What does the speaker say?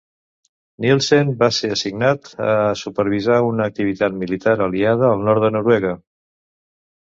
Nilsen va ser assignat a supervisar una activitat militar aliada al nord de Noruega.